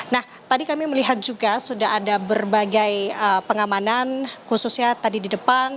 nah tadi kami melihat juga sudah ada berbagai pengamanan khususnya tadi di depan